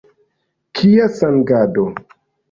Kia sangado!